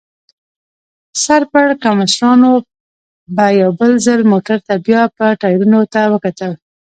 سر پړکمشرانو به یو ځل موټر ته بیا به یې ټایرونو ته وکتل.